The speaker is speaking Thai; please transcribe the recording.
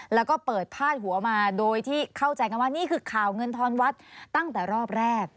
แล้วก็เปิดพาดหัวมาโดยที่เข้าใจกันว่านี่คือข่าวเงินทอนวัดตั้งแต่รอบแรก